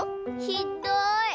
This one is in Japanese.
ひっどい！